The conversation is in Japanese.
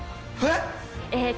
えっ！？